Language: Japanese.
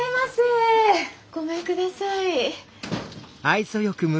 ごめんください。